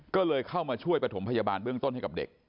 ก็เลยเข้ามาช่วยประถมพยาบาลเบื้องต้นให้กับเด็ก